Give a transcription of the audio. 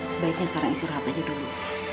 sebaiknya sekarang istirahat aja dulu